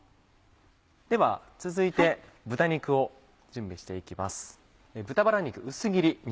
では続いて豚肉を準備して行きます。